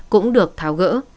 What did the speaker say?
cũng được tháo gỡ